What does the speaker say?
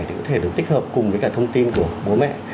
thì cũng có thể được tích hợp cùng với thông tin của bố mẹ